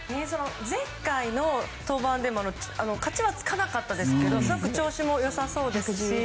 前回の登板でも勝ちはつかなかったですけどすごく調子も良さそうですし